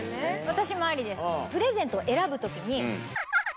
私もありです。